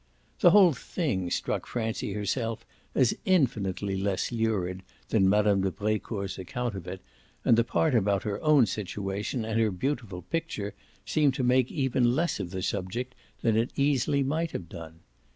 The whole thing struck Francie herself as infinitely less lurid than Mme. de Brecourt's account of it, and the part about her own situation and her beautiful picture seemed to make even less of the subject than it easily might have done.